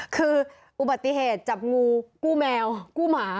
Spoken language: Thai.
คืออุบัติเหตุจับงูกู้แมวกู้หมา